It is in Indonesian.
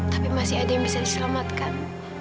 tapi masih ada yang bisa diselamatkan